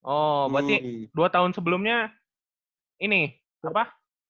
oh berarti dua tahun sebelumnya ini apa